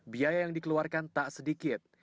biaya yang dikeluarkan tak sedikit